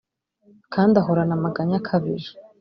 kandi ahorana amaganya akabije